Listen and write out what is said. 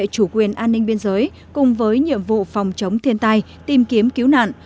chủ quyền an ninh biên giới cùng với nhiệm vụ phòng chống thiên tai tìm kiếm cứu nạn